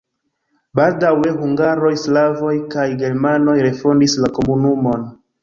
Baldaŭe hungaroj, slavoj kaj germanoj refondis la komunumon.